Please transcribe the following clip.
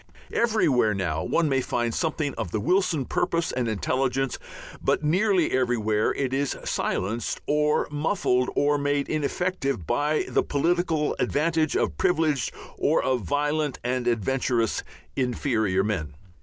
Everywhere now one may find something of the Wilson purpose and intelligence, but nearly everywhere it is silenced or muffled or made ineffective by the political advantage of privileged or of violent and adventurous inferior men.